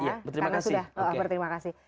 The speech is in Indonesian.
karena sudah berterima kasih